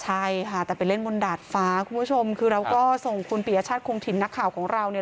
ใช่ค่ะแต่ไปเล่นบนดาดฟ้าคุณผู้ชมคือเราก็ส่งคุณปียชาติคงถิ่นนักข่าวของเราเนี่ย